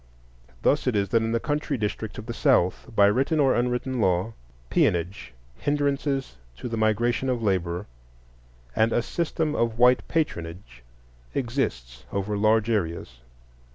Thus it is that in the country districts of the South, by written or unwritten law, peonage, hindrances to the migration of labor, and a system of white patronage exists over large areas.